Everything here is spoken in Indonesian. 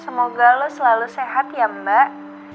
semoga lo selalu sehat ya mbak